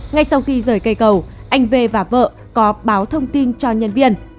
ngay sau khi rời cây cầu anh v và vợ có báo thông tin cho nhân viên